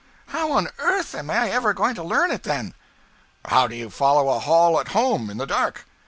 'How on earth am I ever going to learn it, then?' 'How do you follow a hall at home in the dark.